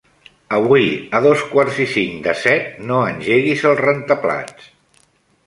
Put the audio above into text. Avui a dos quarts i cinc de set no engeguis el rentaplats.